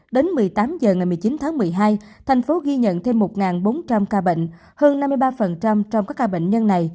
đến một mươi tám h ngày một mươi chín tháng một mươi hai thành phố ghi nhận thêm một bốn trăm linh ca bệnh hơn năm mươi ba trong các ca bệnh nhân này